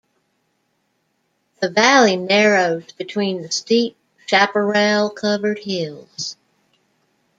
The valley narrows between steep chaparral-covered hills.